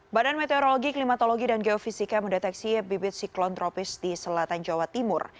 badan meteorologi klimatologi dan geofisika mendeteksi bibit siklon tropis di selatan jawa timur